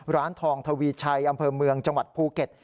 ร้านทองทวีชัยอำเภอเมืองจังหวัดภูเก็ต